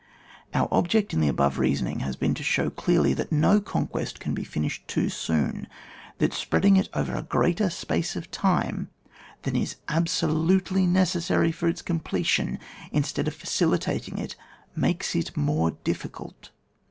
Our object in the above reasoning has been to show clearly that no conquest can be finished too soon, that spreading it over a greater space of time than is abso 60 ON WAR. [book Tm. lutely necessary for its completion^ in stead of facilitating it, makes it more difficult.